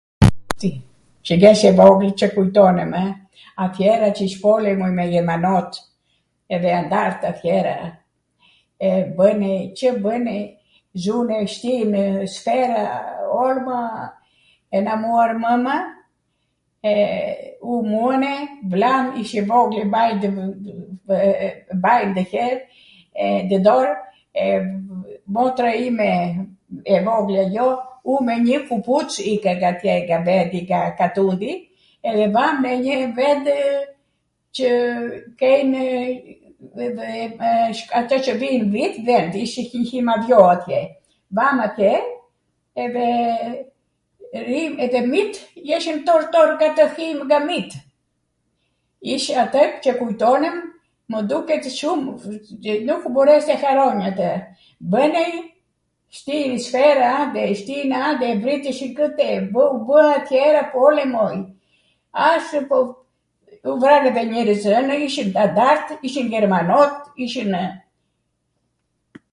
Cw jesh e vogwl, Cw kultonem, w? Atjera q' ish polemo me jermanot, edhe andart atjera, e bwnej, Cw bwnej, zun' e shtijnw sfera, olma, e na muarr mwma, u mune, vllan, ish i vogwl vllai, e mbaj ndw hjer, ndw dorw, e motra ime, e vogla ajo, u me njw kupuc ika ngatje, nga deti nga katundi edhe vam nw njw vendw qw kejnw atje qw vijn dhit edhe dhwnt, ish njw hjimadhjo atje, vam atje edhe minjt jeshwn tor tor nga tw hijm nga minjt. Ish ater qw kujtonem, mw duketw shum... qw nuk mbores te harronj atw. Bwnej, shtirij sfera ande, shtinw ande, vriteshin kwte, u bw atjera polemo, ase pu u vranw edhe njerwzw, ishin andartw, ishin jermano, ishinw...